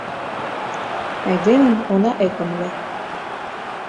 Айдемым она ӧкымлӧ.